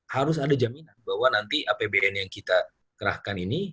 harus ada jaminan bahwa nanti apbn yang kita kerahkan ini